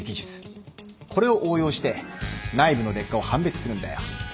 これを応用して内部の劣化を判別するんだよ。